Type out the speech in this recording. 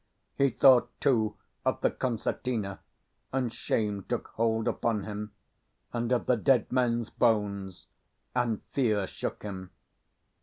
He thought, too, of the concertina, and shame took hold upon him; and of the dead men's bones, and fear shook him.